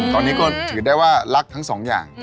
ตอนนี้ก็ถือได้ว่ารักทั้งสองอย่าง